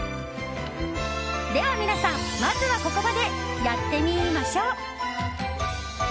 では、皆さんまずはここまでやってみましょ！